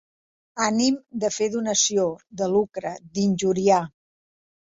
Ànim de fer donació, de lucre, d'injuriar.